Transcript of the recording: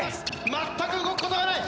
全く動くことがない